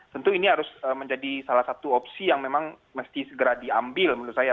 tentu ini harus menjadi salah satu opsi yang memang mesti segera diambil menurut saya